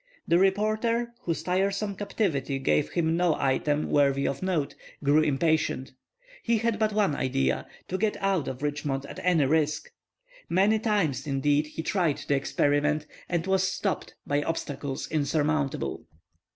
The reporter, whose tiresome captivity gave him no item worthy of note, grew impatient. He had but one idea; to get out of Richmond at any risk. Many times, indeed, he tried the experiment, and was stopped by obstacles insurmountable.